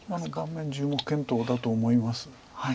盤面１０目見当だと思います。